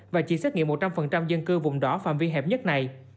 và chỉ xét nghiệm một trăm linh dân cư vùng đỏ phạm vi hẹp nhất này